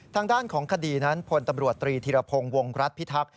ทางด้านของคดีนั้นพลตำรวจตรีธิรพงศ์วงรัฐพิทักษ์